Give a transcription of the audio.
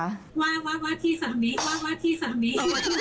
ว่าว่าว่าที่สามีว่าว่าที่สามี